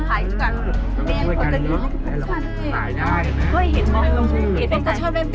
ใช่แล้ว